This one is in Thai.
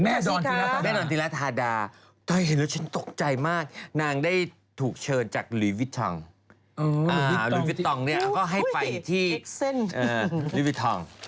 แม่ดอนธิรัทธาแม่ดอนธิรัทธาดาแต่เห็นแล้วฉันตกใจมากนางได้ถูกเชิญจากลุยวิทองอ๋อลุยวิทองเนี่ยก็ให้ไปที่เออลุยวิทอง